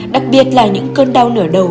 đặc biệt là những cơn đau nửa đầu